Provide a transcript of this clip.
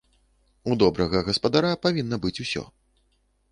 У добрага гаспадара павінна быць усё.